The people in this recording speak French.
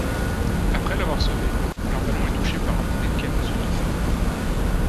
Après l'avoir sauvé, leur ballon est touché par un boulet de canon sudiste.